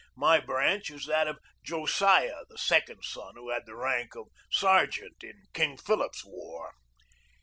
My branch is that of Josiah, the second son, who had the rank of sergeant in King Philip's War.